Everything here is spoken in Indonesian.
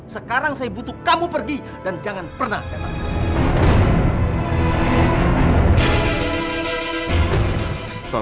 sekarang saya butuh kamu pergi dan jangan pernah datang